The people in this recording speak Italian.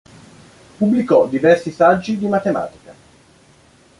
Pubblicò diversi saggi di matematica.